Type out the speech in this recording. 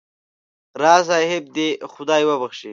راز صاحب دې خدای وبخښي.